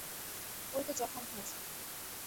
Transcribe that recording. ও-ই তো জখম হয়েছে।